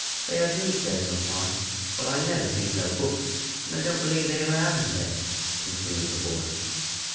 They has meat there sometimes; but I never sees no books, and I don't believe they ever has 'em there," concluded the boy.